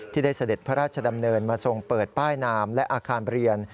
ได้เสด็จพระราชดำเนินมาทรงเปิดป้ายนามและอาคารเรียน